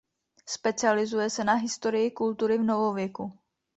Specializuje se na historii kultury v novověku.